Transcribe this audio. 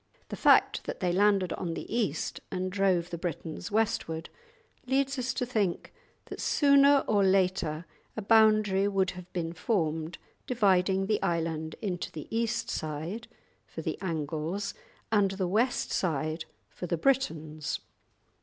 The fact that they landed on the East and drove the Britons westward, leads us to think that sooner or later a boundary would have been formed dividing the island into the east side (for the Angles) and the west side (for the Britons).